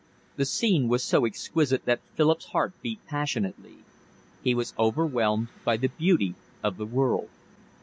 The scene was so exquisite that Philip's heart beat passionately. He was overwhelmed by the beauty of the world.